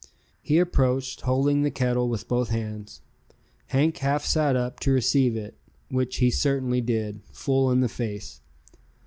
He approached, holding the kettle with both hands. Hank half sat up, to receive it; which he certainly did, full in the face.